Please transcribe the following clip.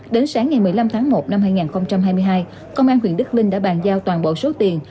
đến sáng ngày một mươi năm tháng một năm hai nghìn hai mươi hai công an huyện đức linh đã bàn giao toàn bộ số tiền